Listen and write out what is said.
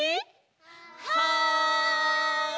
はい！